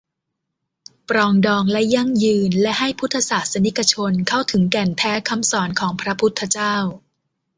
ปรองดอง และยั่งยืน และให้พุทธศาสนิกชนเข้าถึงแก่นแท้คำสอนของพระพุทธเจ้า